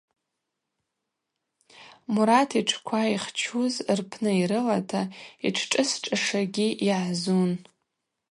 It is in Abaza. Мурат йтшква йхчуз рпны йрылата йтшшӏыс шӏашагьи йыгӏзун.